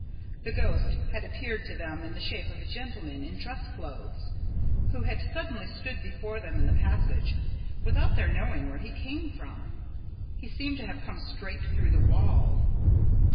The ghost had appeared to them in the shape of a gentleman in dress clothes, who had suddenly stood before them in the passage, without their knowing where he came from. He seemed to have come straight through the wall.